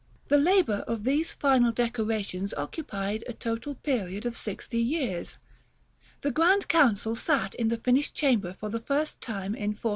The labor of these final decorations occupied a total period of sixty years. The Grand Council sat in the finished chamber for the first time in 1423.